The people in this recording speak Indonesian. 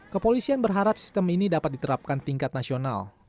kepolisian berharap sistem ini dapat diterapkan tingkat nasional